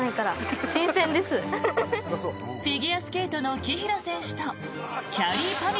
フィギュアスケートの紀平選手ときゃりーぱみ